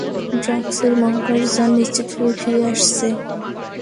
ড্রাস্কের মহাকাশযান নিশ্চিতভাবে ফিরে আসছে।